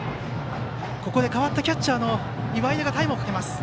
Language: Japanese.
代わったキャッチャーの岩出がタイムをかけます。